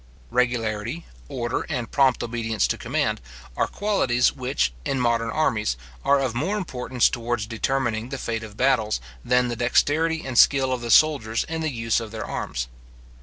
Regularity, order, and prompt obedience to command, are qualities which, in modern armies, are of more importance towards determining the fate of battles, than the dexterity and skill of the soldiers in the use of their arms.